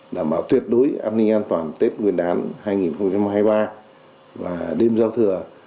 đảm bảo tuyệt đối an ninh an toàn tết nguyên đán hai nghìn hai mươi ba và đêm giao thừa